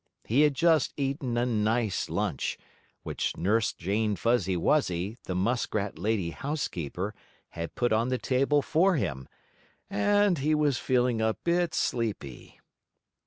He had just eaten a nice lunch, which Nurse Jane Fuzzy Wuzzy, the muskrat lady housekeeper, had put on the table for him, and he was feeling a bit sleepy.